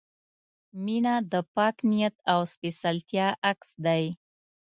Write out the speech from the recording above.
• مینه د پاک نیت او سپېڅلتیا عکس دی.